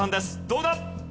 どうだ？